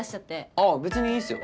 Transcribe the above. ああ別にいいっすよ。